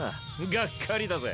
がっかりだぜ。